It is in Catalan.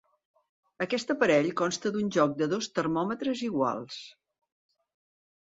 Aquest aparell consta d'un joc de dos termòmetres iguals.